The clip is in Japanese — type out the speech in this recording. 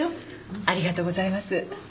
ありがとうございます。